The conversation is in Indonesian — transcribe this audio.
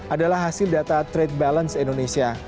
adalah hasil data trade balance indonesia